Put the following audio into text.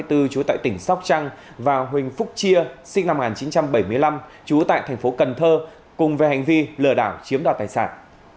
trú tại tỉnh sóc trăng và huỳnh phúc chia sinh năm một nghìn chín trăm bảy mươi năm trú tại thành phố cần thơ cùng về hành vi lừa đảo chiếm đoạt tài sản